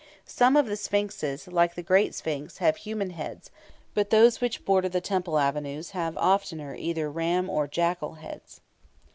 Some of the sphinxes, like the Great Sphinx, have human heads; but those which border the temple avenues have oftener either ram or jackal heads.